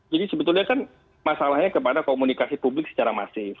jadi sebetulnya kan masalahnya kepada komunikasi publik secara masif